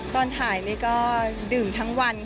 ตอนถ่ายนี่ก็ดื่มทั้งวัน